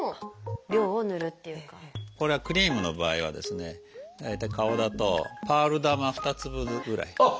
これはクリームの場合はですね大体顔だとパール玉２粒ぐらい。